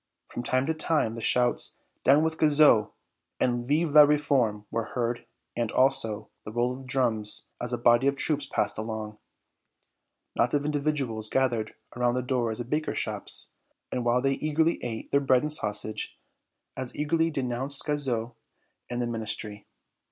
From time to time the shouts, "Down with Guizot!" and "Vive la Réforme!" were heard and, also, the roll of drums as a body of troops passed along; knots of individuals gathered around the doors of bakers' shops, and, while they eagerly ate their bread and sausage, as eagerly denounced Guizot and the Ministry.